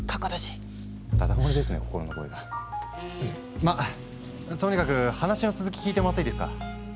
まっとにかく話の続き聞いてもらっていいですか？